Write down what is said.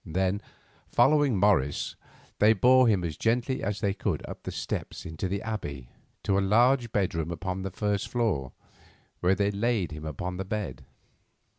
Then, following Morris, they bore him as gently as they could up the steps into the Abbey to a large bedroom upon the first floor, where they laid him upon the bed.